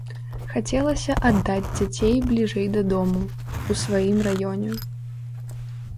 Хацелася аддаць дзяцей бліжэй да дому, у сваім раёне.